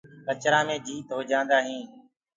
ڪِچرآ مي جيت هوجآندآ هينٚ۔